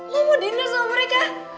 lo mau dinner sama mereka